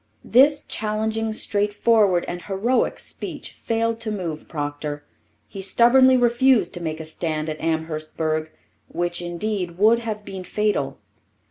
This challenging, straightforward, and heroic speech failed to move Procter. He stubbornly refused to make a stand at Amherstburg, which, indeed, would have been fatal.